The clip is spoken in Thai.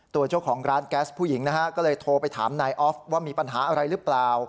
ตัวเจ้าของร้านแก๊สผู้หญิงนะฮะก็เลยโทรไปถามนายออฟว่ามีปัญหาอะไรหรือเปล่า